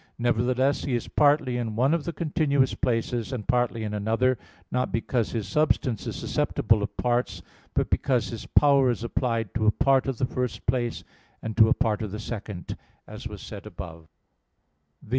2). Nevertheless he is partly in one of the continuous places, and partly in another, not because his substance is susceptible of parts, but because his power is applied to a part of the first place and to a part of the second, as was said above (A. 2).